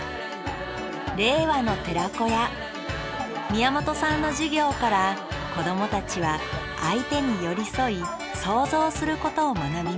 宮本さんの授業から子どもたちは相手に寄り添い想像することを学びました